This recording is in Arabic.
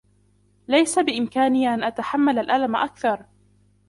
ليس بإمكاني أن أتحمل الألم أكثر.